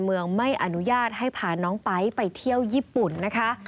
เมืองไม่อนุญาตให้พาน้องไป๊ไปเที่ยวญี่ปุ่นนะคะ